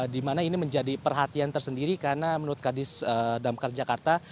di mana ini menjadi perhatian tersendiri karena menurut kadis damkar jakarta